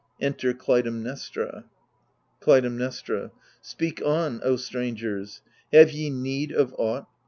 [Enter Cfytemnestra, Clytemnestra Speak on, O strangers : have ye need of aught